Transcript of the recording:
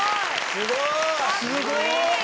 ・すごい！